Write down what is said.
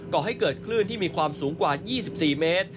ก่อให้เกิดคลื่นที่มีความสูงกว่า๒๔เมตร